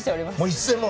いつでも。